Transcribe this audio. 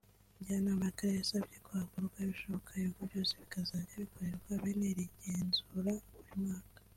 Njyanama y’Akarere yasabye ko hakorwa ibishoboka ibigo byose bikazajya bikorerwa bene iri genzura buri mwaka